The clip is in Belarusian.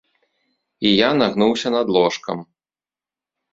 І я нагнуўся над ложкам.